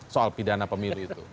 soal pidana pemilu itu